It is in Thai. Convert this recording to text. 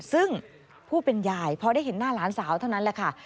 ซึ่งผู้เป็นยายพอได้เห็นหน้าหลานสาวเท่านั้นแหละค่ะ